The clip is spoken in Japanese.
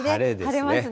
晴れですね。